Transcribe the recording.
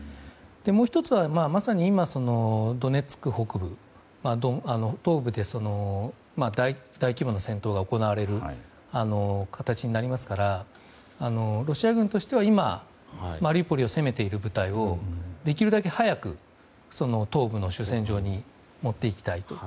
もう１つは、まさに今ドネツクの東部で、大規模な戦闘が行われる形になりますからロシア軍としては今マリウポリを攻めている部隊をできるだけ早く東部の主戦場に持っていきたい。